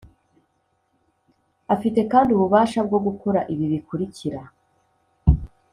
Afite kandi ububasha bwo gukora ibi bikurikira